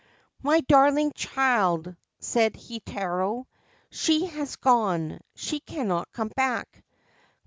' My darling child,' said Heitaro, * she has gone. She cannot come back.